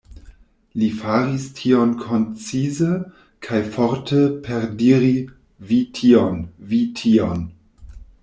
Li faris tion koncize kaj forte per diri "Vi tion, vi tion".